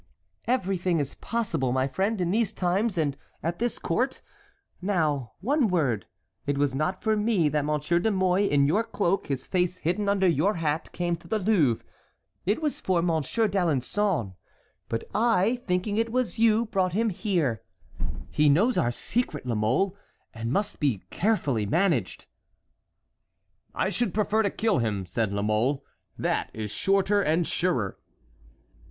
"Everything is possible, my friend, in these times and at this court. Now, one word; it was not for me that Monsieur de Mouy, in your cloak, his face hidden under your hat, came to the Louvre. It was for Monsieur d'Alençon. But I, thinking it was you, brought him here. He knows our secret, La Mole, and must be carefully managed." "I should prefer to kill him," said La Mole; "that is shorter and surer."